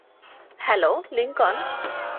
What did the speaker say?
Hello, Lincoln.